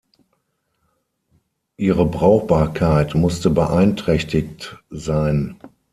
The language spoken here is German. Ihre Brauchbarkeit musste beeinträchtigt sein.